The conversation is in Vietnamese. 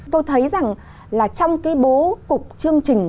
tôi thấy rằng là trong cái bố cục chương trình